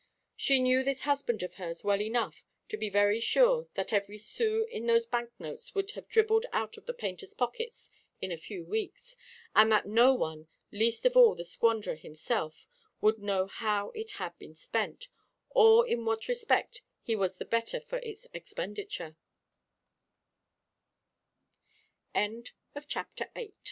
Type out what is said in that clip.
She knew this husband of hers well enough to be very sure that every sous in those bank notes would have dribbled out of the painter's pockets in a few weeks; and that no one, least of all the squanderer himself, would know how it had been spent, or in what respect he was the better for its ex